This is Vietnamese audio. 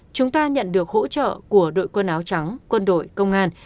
chúng ta nhận được hỗ trợ của đội quân áo trắng quân đội công an